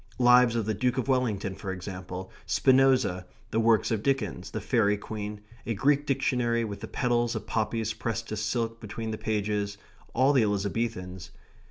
Lives of the Duke of Wellington, for example; Spinoza; the works of Dickens; the Faery Queen; a Greek dictionary with the petals of poppies pressed to silk between the pages; all the Elizabethans.